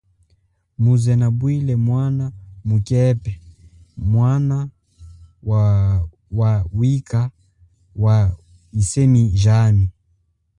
Muze nabwile mwana mukepe mwana wa wikha wa yisemi jami.